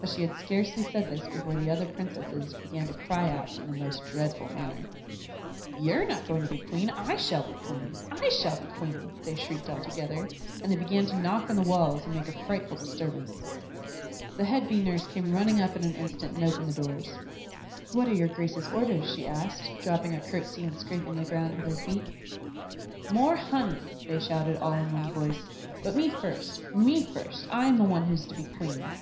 But she had scarcely said this before the other Princesses began to cry out in the most dreadful manner. "You're not going to be Queen! I shall be Queen! I shall be Queen!" they shrieked all together, and they began to knock on the walls and make a frightful disturbance. The head Bee Nurse came running up in an instant and opened the doors. "What are your graces' orders?" she asked, dropping a curtsy and scraping the ground with her feet. "More honey!" they shouted, all in one voice. "But me first me first. I am the one who is to be queen."